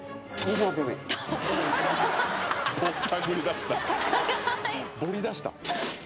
ぼりだした」